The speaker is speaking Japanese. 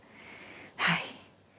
はい。